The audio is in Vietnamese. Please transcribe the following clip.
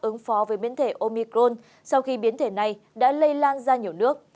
ứng phó với biến thể omicron sau khi biến thể này đã lây lan ra nhiều nước